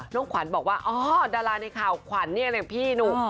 น้องขวัญบอกว่าอ๋อดาราในข่าวขวัญเนี่ยแหละพี่หนู